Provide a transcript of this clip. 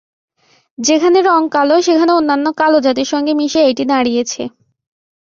যেখানে রঙ কালো, সেখানে অন্যান্য কালো জাতের সঙ্গে মিশে এইটি দাঁড়িয়েছে।